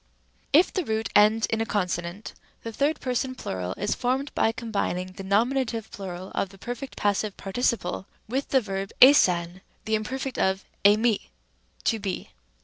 } Tem. a. If the root ends in a consonant, the third person plural is formed by combining the nominative plural of the perfect passive parti ciple with the verb ἦσαν, the imperfect of εἰμί, to be. Rem. b.